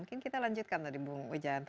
mungkin kita lanjutkan tadi bu wejahanto